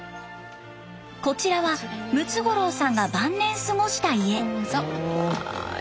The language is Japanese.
こちらはムツゴロウさんが晩年過ごした家。